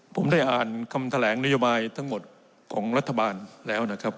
ผมได้อ่านคำแถลงนโยบายทั้งหมดของรัฐบาลแล้วนะครับ